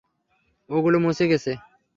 ওগুলো মুছে গেছে।